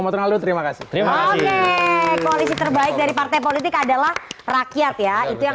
halo terima kasih terima kasih koalisi terbaik dari partai politik adalah rakyat ya itu yang